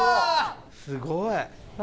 すごい。